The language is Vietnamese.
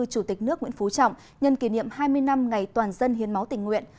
chủ tịch nước nguyễn phú trọng nhân kỷ niệm hai mươi năm ngày toàn dân hiến máu tình nguyện